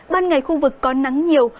ban ngày khu vực có nắng nhiều